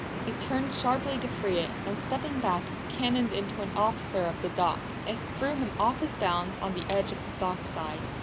He turned sharply to free it and stepping back, cannoned into an officer of the dock. It threw him off his balance on the edge of the dockside.